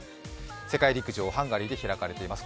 世界陸上、ハンガリーで開かれています。